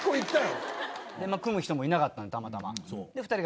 組む人もいなかったたまたま。